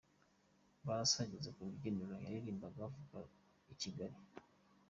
Pallaso ageze ku rubyiniro yaririmbaga avuga Kigali Rwanda.